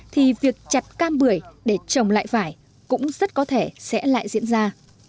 thì việc chặt cam bưởi để trồng lại phải cũng rất có thể sẽ lại diễn ra